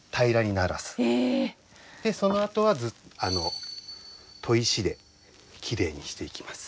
そのあとは砥石できれいにしていきます。